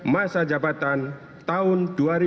masa jabatan tahun dua ribu empat belas dua ribu sembilan belas